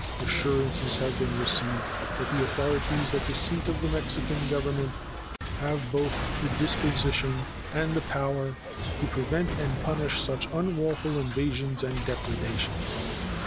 Assurances have been received that the authorities at the seat of the Mexican Government have both the disposition and the power to prevent and punish such unlawful invasions and depredations.